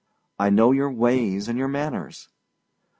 I know your ways and your manners!